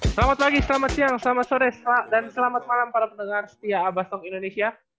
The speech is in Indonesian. selamat pagi selamat siang selamat sore dan selamat malam para pendengar setia abbastong indonesia